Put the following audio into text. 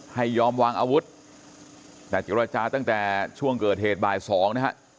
ให้ยอมวางอาวุธแต่เจรจาตั้งแต่ช่วงเกิดเหตุบ่ายสองนะฮะ